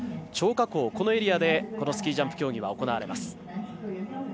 張家口、このエリアでスキー・ジャンプ競技は行われます。